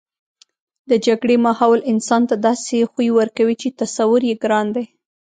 د جګړې ماحول انسان ته داسې خوی ورکوي چې تصور یې ګران دی